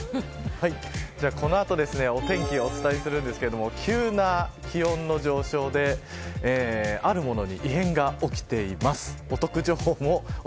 この後お天気をお伝えするんですけど急な気温の上昇であるものに異変が起きています。